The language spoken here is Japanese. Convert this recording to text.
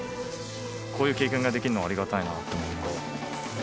こういう経験ができるのはありがたいなって思います。